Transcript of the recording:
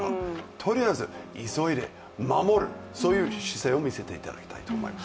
とりあえず急いで、守るそういう姿勢を見せていただきたいと思います